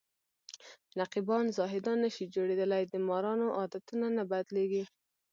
رقیبان زاهدان نشي جوړېدلی د مارانو عادتونه نه بدلېږي